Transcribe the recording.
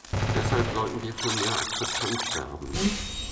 Deshalb sollten wir für mehr Akzeptanz werben.